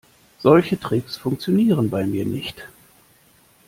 Solche Tricks funktionieren bei mir nicht.